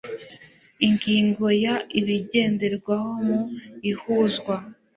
ingingo ya ibigenderwaho mu ihuzwa